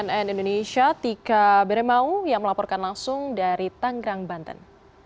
dan indonesia tika beremau yang melaporkan langsung dari tangerang banten